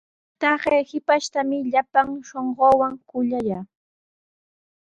Taqay shipashtami llapan shunquuwan kuyallaa.